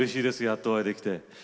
やっとお会いできて。